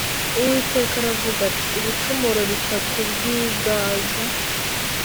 Uwiteka aravuga ati Ibicumuro bitatu by i Gaza